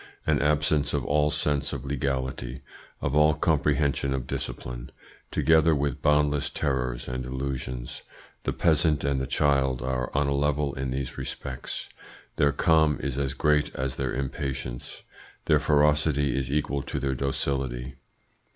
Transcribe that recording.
An absence of all sense of legality, of all comprehension of discipline, together with boundless terrors and illusions; the peasant and the child are on a level in these respects. Their calm is as great as their impatience; their ferocity is equal to their docility.